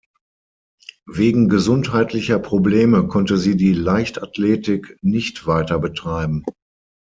Wegen gesundheitlicher Probleme konnte sie die Leichtathletik nicht weiter betreiben.